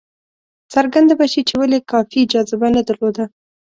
څرګنده به شي چې ولې کافي جاذبه نه درلوده.